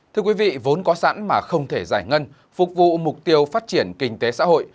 thưa quý vị vốn có sẵn mà không thể giải ngân phục vụ mục tiêu phát triển kinh tế xã hội